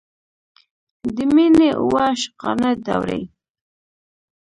د مینې اوه عاشقانه دورې.